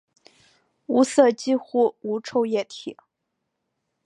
无色几乎无臭液体。